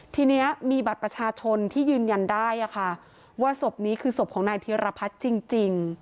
ทีนี้มีบัตรประชาชนที่ยืนยันได้ว่าศพนี้คือศพของนายธีรพัฒน์จริง